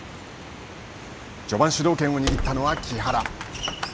序盤、主導権を握ったのは木原。